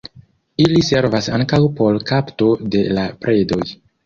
Ili servas ankaŭ por kapto de la predoj.